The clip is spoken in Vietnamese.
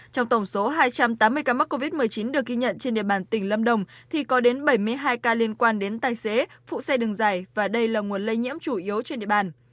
trong tổng số hai trăm tám mươi ca mắc covid một mươi chín được ghi nhận trên địa bàn tỉnh lâm đồng thì có đến bảy mươi hai ca liên quan đến tài xế phụ xe đường dài và đây là nguồn lây nhiễm chủ yếu trên địa bàn